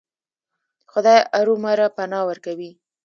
خدای ارومرو پناه ورکوي.